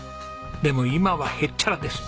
でも今はへっちゃらです。